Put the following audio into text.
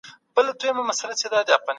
هغه څوک وټاکئ چې د ودې الهام درکوي.